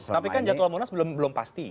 tapi kan jadwal munas belum pasti